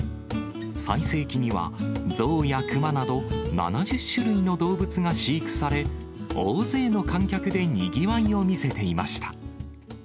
最盛期には象や熊など、７０種類の動物が飼育され、大勢の観客でにぎわいを見せていました。